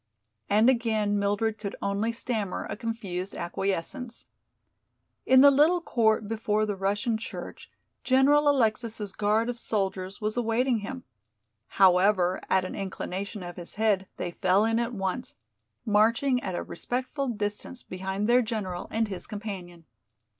And again Mildred could only stammer a confused acquiescence. In the little court before the Russian church General Alexis' guard of soldiers was awaiting him. However, at an inclination of his head they fell in at once, marching at a respectful distance behind their general and his companion.